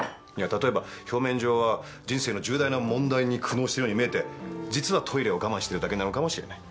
例えば表面上は人生の重大な問題に苦悩してるように見えて実はトイレを我慢してるだけなのかもしれない。